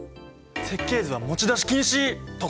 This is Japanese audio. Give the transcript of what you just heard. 設計図は持ち出し禁止！とか？